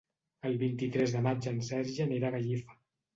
El vint-i-tres de maig en Sergi anirà a Gallifa.